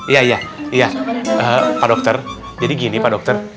iya iya pak dokter jadi gini pak dokter